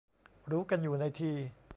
รู้กันอยู่ในที